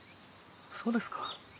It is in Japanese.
そうですか。